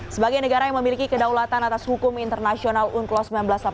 sebagai negara yang memiliki kedaulatan atas hukum internasional unclos seribu sembilan ratus delapan puluh